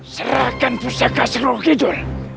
serahkan pusaka seluruh gidul